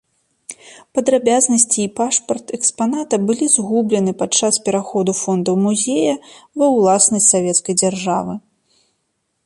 Падрабязнасці і пашпарт экспаната былі згублены падчас пераходу фондаў музея ва ўласнасць савецкай дзяржавы.